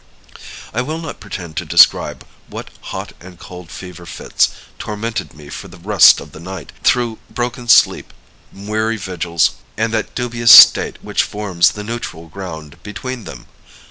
"I will not pretend to describe what hot and cold fever fits tormented me for the rest of the night, through broken sleep, weary vigils, and that dubious state which forms the neutral ground between them.